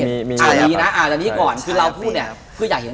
อ่านี่นะแต่ว่านี่ก่อนคือเราพูดเนี่ย